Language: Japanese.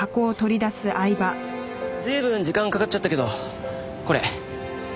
随分時間かかっちゃったけどこれ。